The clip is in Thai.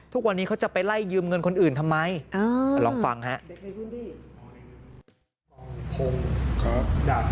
ทุกวันนี้เขาจะไปไล่ยืมเงินคนอื่นทำไมลองฟังฮะ